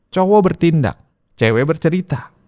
cowok bertindak cewek bercerita